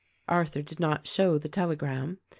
Arthur did not show the telegram.